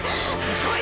遅い！！